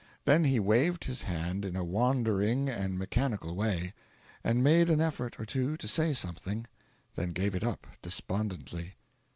Then he waved his hand in a wandering and mechanical way, and made an effort or two to say something, then gave it up, despondently.